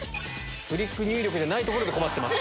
フリック入力じゃないところで困ってます。